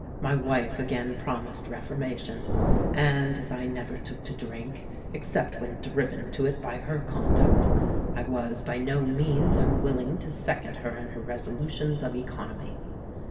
My wife again promised reformation; and, as I never took to drink except when driven to it by her conduct, I was by no means unwilling to second her in her resolutions of economy.